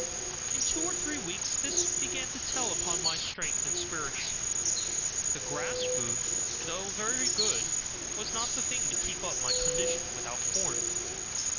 In two or three weeks this began to tell upon my strength and spirits. The grass food, though very good, was not the thing to keep up my condition without corn.